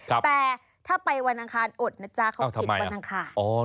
แต่ถ้าไปวันอังคารอดนะจ๊ะเขาผิดวันอังคาร